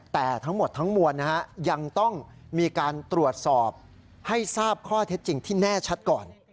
แต่ทั้งหมดทั้งมวลยังต้องมีการตรวจสอบให้ทราบข้อเท็จจริงที่แน่ชัดก่อน